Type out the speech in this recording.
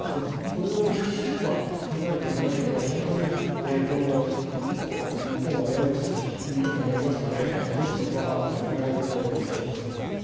これを考えていかないと、本当にこの日本を危うくするということになりますので、ぜひそこはお願いしたいと思います。